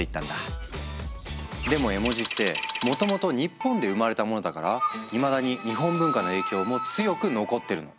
でも絵文字ってもともと日本で生まれたものだからいまだに日本文化の影響も強く残ってるの。